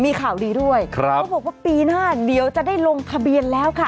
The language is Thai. มีข่าวดีด้วยครับเขาบอกว่าปีหน้าเดี๋ยวจะได้ลงทะเบียนแล้วค่ะ